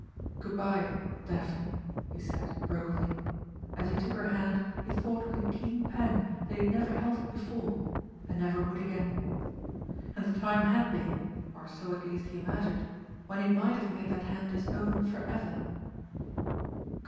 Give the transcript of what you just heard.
"Good bye Daphne," he said brokenly. As he took her hand he thought with a keen pang that he had never held it before, and never would again. And the time had been or so at least he imagined when he might have made that hand his own for ever!